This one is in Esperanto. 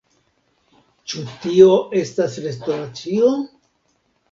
Ĉu tio estas restoracio?